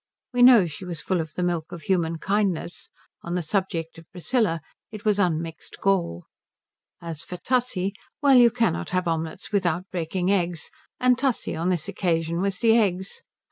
We know she was full of the milk of human kindness: on the subject of Priscilla it was unmixed gall. As for Tussie, well, you cannot have omelettes without breaking eggs, and Tussie on this occasion was the eggs.